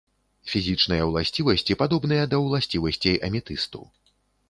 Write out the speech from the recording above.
Фізічныя ўласцівасці падобныя да ўласцівасцей аметысту.